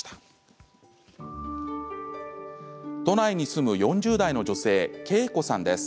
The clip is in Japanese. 都内に住む４０代の女性けいこさんです。